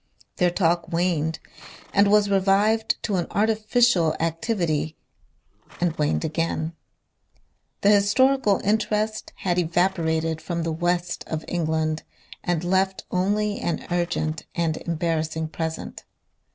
Their talk waned, and was revived to an artificial activity and waned again. The historical interest had evaporated from the west of England and left only an urgent and embarrassing present.